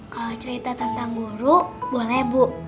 kalau cerita tentang guru boleh bu